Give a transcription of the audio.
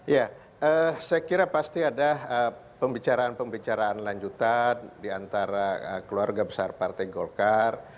ya saya kira pasti ada pembicaraan pembicaraan lanjutan di antara keluarga besar partai golkar